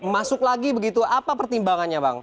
masuk lagi begitu apa pertimbangannya bang